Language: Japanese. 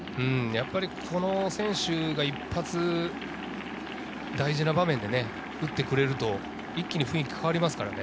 この選手が一発、大事な場面で打ってくれると一気に雰囲気が変わりますからね。